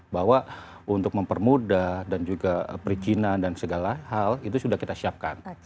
bahwa untuk mempermudah dan juga perizinan dan segala hal itu sudah kita siapkan